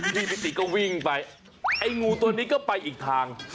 พี่นิติก็วิ่งไปไอ้งูตัวนี้ก็ไปอีกทาง